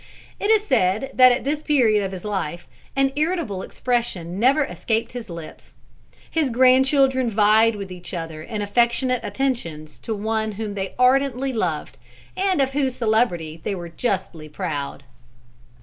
It is said that at this period of his life an irritable expression never escaped his lips. His grand children vied with each other in affectionate attentions to one whom they ardently loved, and of whose celebrity they were justly proud.